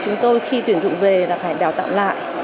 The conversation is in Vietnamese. chúng tôi khi tuyển dụng về là phải đào tạo lại